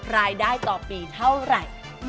รายได้ต่อปีเท่าไหร่